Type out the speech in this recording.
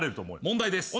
問題です。